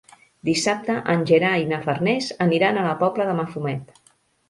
Dissabte en Gerai i na Farners aniran a la Pobla de Mafumet.